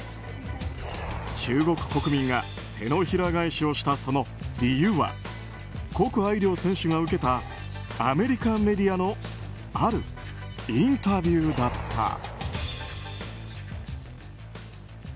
中国国民が手のひら返しをした、その理由はコク・アイリョウ選手が受けたアメリカメディアのあるインタビューだった。